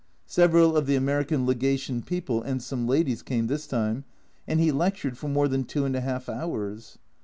Several of the American Legation people and some ladies came this time, and he lectured for more than two and a half hours